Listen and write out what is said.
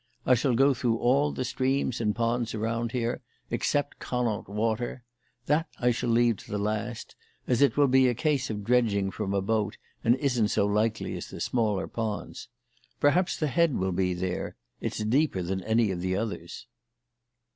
I shall go through all the streams and ponds around here, except Connaught Water. That I shall leave to the last, as it will be a case of dredging from a boat and isn't so likely as the smaller ponds. Perhaps the head will be there; it's deeper than any of the others."